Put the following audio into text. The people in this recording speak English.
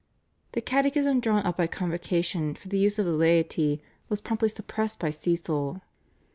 The catechism drawn up by Convocation for the use of the laity was promptly suppressed by Cecil.